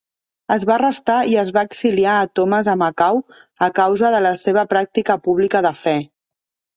Es va arrestar i es va exiliar a Thomas a Macau a causa de la seva pràctica pública de fé.